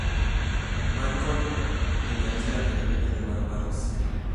Michael, en la isla caribeña de Barbados.